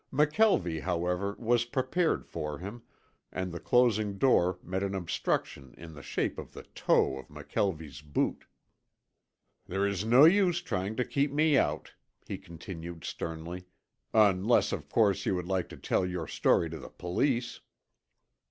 McKelvie, however, was prepared for him and the closing door met an obstruction in the shape of the toe of McKelvie's boot. "There is no use trying to keep me out," he continued sternly, "unless of course you would like to tell your story to the police."